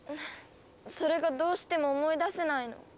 それがどうしても思い出せないの。